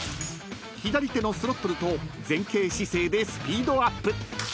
［左手のスロットルと前傾姿勢でスピードアップ］